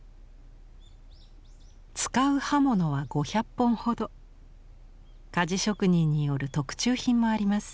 使う刃物は５００本ほど鍛冶職人による特注品もあります。